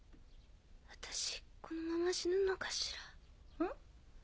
私このまま死ぬのかしら。